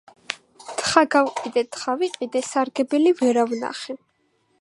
თხა გავყიდე, თხა ვიყიდე, სარგებელი ვერა ვნახე